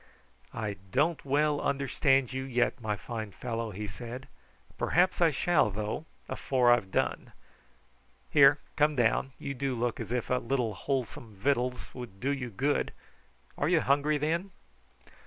"I don't well understand you yet, my fine fellow," he said; "perhaps I shall, though, afore I've done. Here, come down; you do look as if a little wholesome vittles would do you good. Are you hungry then?"